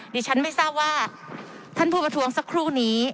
ดิฉันไม่ทราบว่าท่านผู้ประท้วงสักครู่นี้